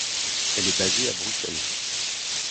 Elle est basée à Bruxelles.